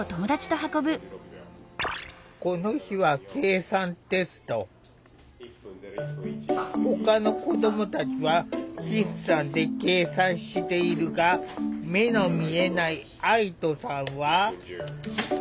この日はほかの子どもたちは筆算で計算しているが目の見えない愛土さんは。